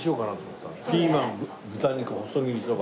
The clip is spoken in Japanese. ピーマン豚肉細切りそば。